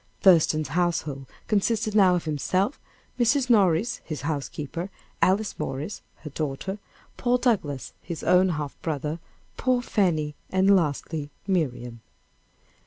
Thurston's household consisted now of himself, Mrs. Morris, his housekeeper; Alice Morris, her daughter; Paul Douglass, his own half brother; poor Fanny, and lastly, Miriam.